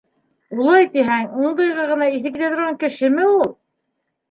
Улай тиһәң, ундайға ғына иҫе китә торған кешеме ул?